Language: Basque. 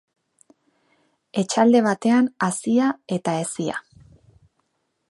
Etxalde batean hazia eta hezia.